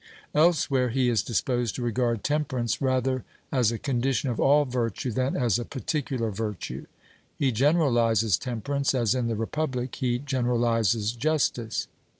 Elsewhere he is disposed to regard temperance rather as a condition of all virtue than as a particular virtue. He generalizes temperance, as in the Republic he generalizes justice.